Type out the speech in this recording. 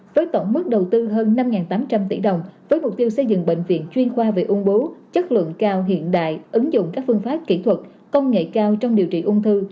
với tổng mức đầu tư hơn năm tám trăm linh tỷ đồng với mục tiêu xây dựng bệnh viện chuyên khoa về ung bú chất lượng cao hiện đại ứng dụng các phương pháp kỹ thuật công nghệ cao trong điều trị ung thư